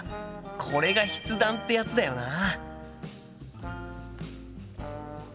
これが筆談ってやつだよな。